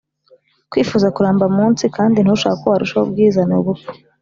Kwifuza kuramba mu nsi ,kandi ntushake uko warushaho ubwiza ni ubupfu